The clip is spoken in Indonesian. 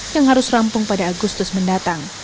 yang harus rampung pada agustus mendatang